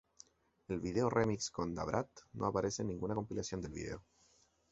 El video remix con Da Brat no aparece en ninguna compilación de vídeo.